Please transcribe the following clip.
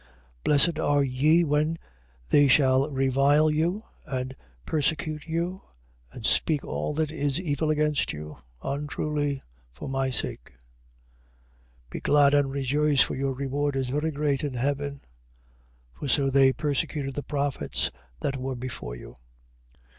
5:11. Blessed are ye when they shall revile you, and persecute you, and speak all that is evil against you, untruly, for my sake: 5:12. Be glad and rejoice for your reward is very great in heaven. For so they persecuted the prophets that were before you.